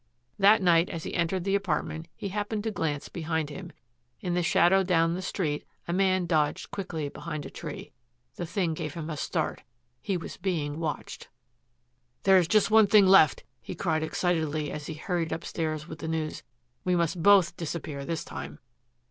That night as he entered the apartment he happened to glance behind him. In the shadow down the street a man dodged quickly behind a tree. The thing gave him a start. He was being watched. "There is just one thing left," he cried excitedly as he hurried upstairs with the news. "We must both disappear this time."